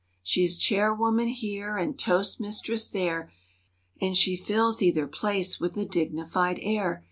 She is chairwoman here and toastmistress there. And she fills either place with a dignified air.